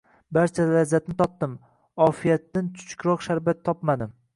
Barcha lazzatni totdim, Ofiyatdin chuchukroq sharbat topmadim.